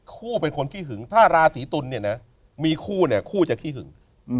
คู่เป็นคนคิดถึงถ้าราศรีตุลมีคู่คู่จะคิดถึง